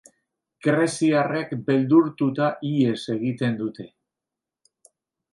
Greziarrek beldurtuta ihes egiten dute.